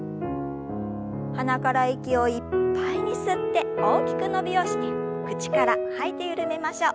鼻から息をいっぱいに吸って大きく伸びをして口から吐いて緩めましょう。